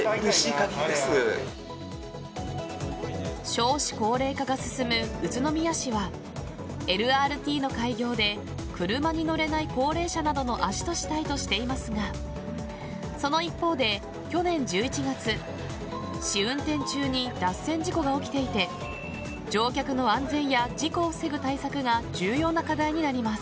少子高齢化が進む宇都宮市はＬＲＴの開業で車に乗れない高齢者などの足としたいとしていますがその一方で、去年１１月試運転中に脱線事故が起きていて乗客の安全や事故を防ぐ対策が重要な課題になります。